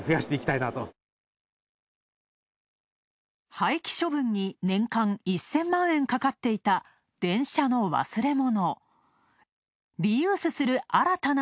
廃棄処分に年間１０００万円かかっていた電車の忘れ物。